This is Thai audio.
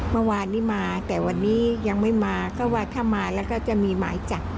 เมื่อวานนี้มาแต่วันนี้ยังไม่มาก็ว่าถ้ามาแล้วก็จะมีหมายจับ